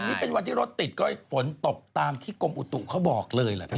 วันนี้เป็นวันที่รถติดฝนตกตามที่กมอูตุเธอบอกเลยละพี่